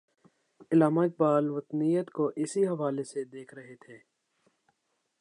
علامہ اقبال وطنیت کو اسی حوالے سے دیکھ رہے تھے۔